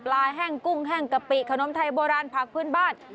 แห้งกุ้งแห้งกะปิขนมไทยโบราณผักพื้นบ้าน